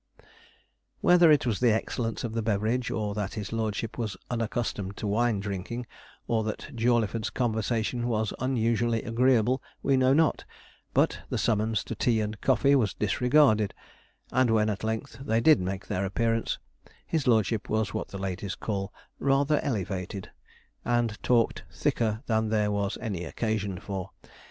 Whether it was the excellence of the beverage, or that his lordship was unaccustomed to wine drinking, or that Jawleyford's conversation was unusually agreeable, we know not, but the summons to tea and coffee was disregarded, and when at length they did make their appearance, his lordship was what the ladies call rather elevated, and talked thicker than there was any occasion for.